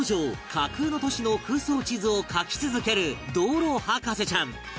架空の都市の空想地図を描き続ける道路博士ちゃん